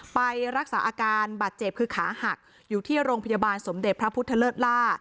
ไปรักษาอาการบาดเจ็บคือขาหักอยู่ที่โรงพยาบาลสมเด็จพระพุทธเลิศล่า